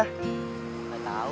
kalian cuma berdua doang